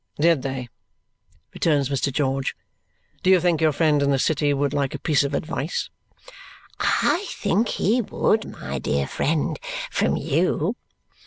"Did they?" returns Mr. George. "Do you think your friend in the city would like a piece of advice?" "I think he would, my dear friend. From you."